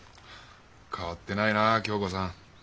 変わってないな響子さん。